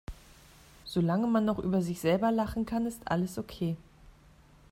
Solange man noch über sich selber lachen kann, ist alles okay.